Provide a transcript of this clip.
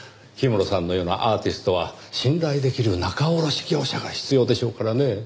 氷室さんのようなアーティストは信頼できる仲卸業者が必要でしょうからね。